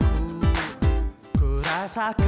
gue sudah siap